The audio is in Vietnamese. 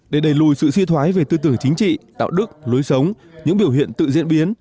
để đẩy lùi sự suy thoái về tư tưởng chính trị đạo đức lối sống những biểu hiện tự diễn biến